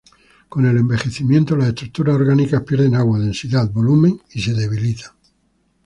Con el envejecimiento las estructuras orgánicas pierden agua, densidad, volumen y se debilitan.